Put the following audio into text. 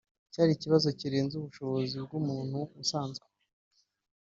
cyari ikibazo kirenze ubushobozi bw’umuntu usanzwe